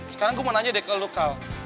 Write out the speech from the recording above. sekarang gue mau nanya deh ke lo kal